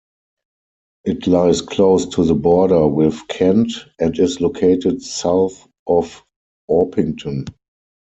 It lies close to the border with Kent, and is located south of Orpington.